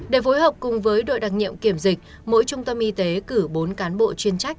để phối hợp cùng với đội đặc nhiệm kiểm dịch mỗi trung tâm y tế cử bốn cán bộ chuyên trách